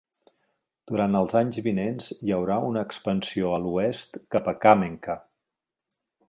Durant els anys vinents hi haurà una expansió a l'oest cap a Kàmenka.